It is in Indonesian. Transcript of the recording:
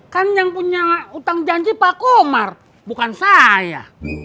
kan yang punya utang janji pak komar bukan saya